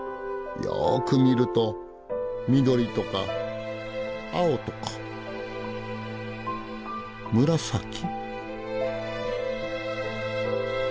よく見ると緑とか青とか紫。